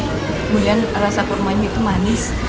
kemudian rasa kurmanya itu manis